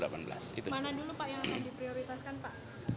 mana dulu pak yang akan diprioritaskan pak